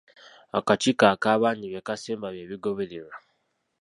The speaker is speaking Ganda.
Akakiiko akaabangi bye kaasemba bye bigobererwa.